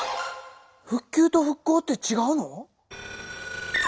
復旧と復興って違うの？